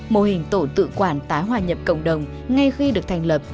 mô hình tổ tự quản tái hòa nhập cộng đồng ngay khi được thành lập